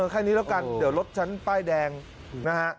แค่นี้แล้วกันเดี๋ยวรถฉันป้ายแดงนะฮะ